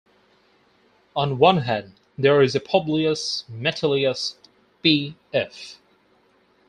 On one hand there is a Publius Metilius P.f.